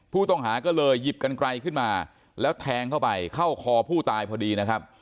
ผู้ต้องหาก็เลยหยิบกันไกลขึ้นมาแล้วแทงเข้าไปเข้าคอผู้ตายพอดีนะครับ